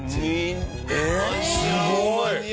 すごーい！